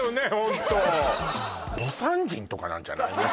魯山人とかなんじゃない？